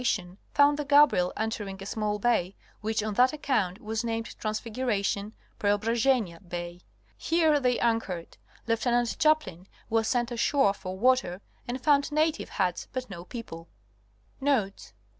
This day, the festival of the Transfiguration, found the Gabriel entering a small bay, which on that account was named Transfiguration (Preobrazhenia) Bay. Here they anchored (L.). Lieutenant Chaplin was sent ashore for water and found native huts but no people. Notes.